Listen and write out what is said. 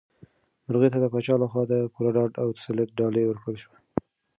مرغۍ ته د پاچا لخوا د پوره ډاډ او تسلیت ډالۍ ورکړل شوه.